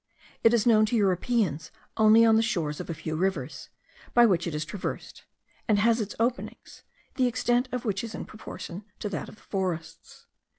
It is known to Europeans only on the shores of a few rivers, by which it is traversed; and has its openings, the extent of which is in proportion to that of the forests.